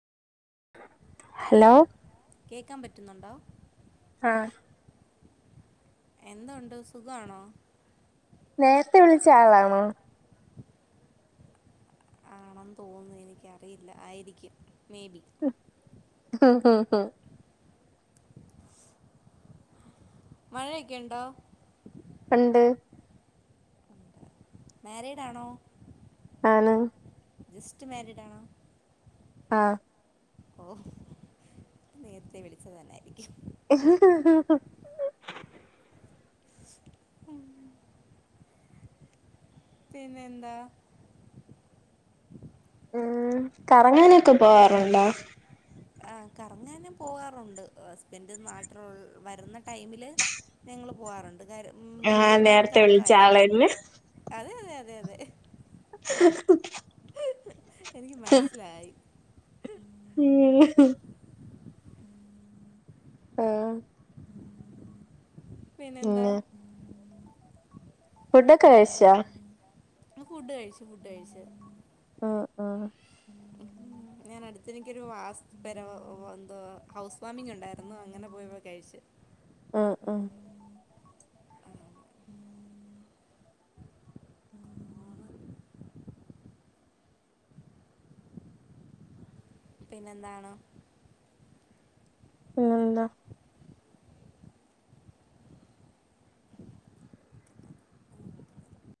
Hello കേക്കാൻ പറ്റ്ന്നുണ്ടോ ആഹ് എന്തൊണ്ട് സുഖാണോ? നേരത്തെ വിളിച്ച ആളാണോ? ആണെന്ന് തോന്ന്നു എനിക്കറിയില്ല ആയിരിക്കും മേ ബി മഴെക്കെണ്ടോ? ഇണ്ട് മാരേഡാണോ? ആണ് ജസ്റ്റ് മാരിഡാണോ ആഹ് ഓ നേരത്തെ വിളിച്ചത് തന്നായിരിക്കും മ് പിന്നെന്താ മ് കറങ്ങാനൊക്കെ പോവാറുണ്ടോ? ആ കറ്ങ്ങാന് പോആറുണ്ട് ഹസ്ബൻഡ് നാട്ടില് വരുന്ന ടൈമില് പോവാറുണ്ട് ആഹ് മിക്കവാറും നേരത്തെ വിളിച്ച കറക്കായിരിക്കും ആളന്നെ അതെ അതെതെ അതെ ഹ് ഹ് ഹ ഹാ എനിക്ക് മനസ്സിലായി ഉംഹ് ഹ ആഹ് പിന്നെന്താ പിന്നെ ഫുഡൊക്കെ കഴിച്ചാ ഫുഡ് കഴിച്ചു ഫുഡ് കഴിച്ചു ആഹ് ആഹ് ഞാൻ അടുത്ത് ഇനിക്കൊരു വാസ് പെരവ് എന്തോ ഹൗസ് ഫാമിംങ്ങി ണ്ടായിരുന്നു ആഹ്ആഹ് പിന്നെന്താണ് ഏന്താ